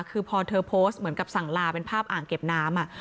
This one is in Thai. คือพอเธอโพสต์เหมือนกับสั่งลาเป็นภาพอ่างเก็บน้ำ